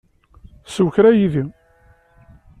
Sew kra yid-i.